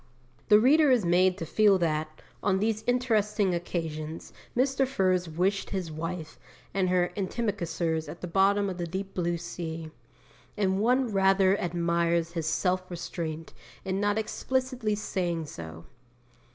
The reader is made to feel that, on these interesting occasions, Mr. Furze wished his wife and her antimacassars at the bottom of the deep blue sea; and one rather admires his self restraint in not explicitly saying so.